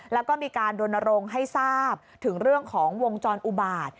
แล้วก็มีการดนรงค์ให้ทราบถึงเรื่องของวงจรอุบาต